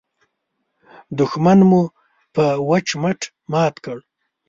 دوښمن مو په وچ مټ مات کړ.